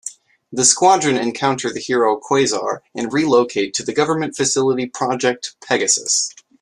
The Squadron encounter the hero Quasar, and relocate to the government facility Project Pegasus.